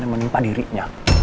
yang menimpa dirinya